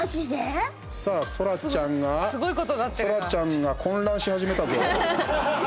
さあ、そらちゃんが混乱し始めたぞ。